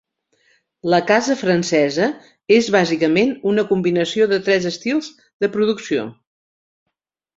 La casa francesa és bàsicament una combinació de tres estils de producció.